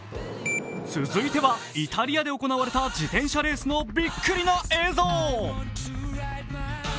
続いてはイタリアで行われた自転車レースのビックリの映像。